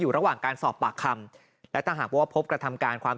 ระหว่างการสอบปากคำและถ้าหากว่าพบกระทำการความ